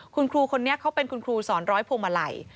คุณครูคนนี้เขาเป็นคุณครูสอนร้อยพวงมาลัย